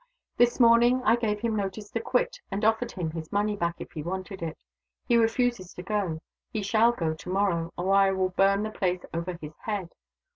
"This morning I gave him notice to quit, and offered him his money back if he wanted it. He refuses to go. He shall go to morrow, or I will burn the place over his head.